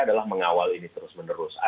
adalah mengawal ini terus menerus